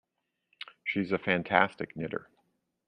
She's a fantastic knitter.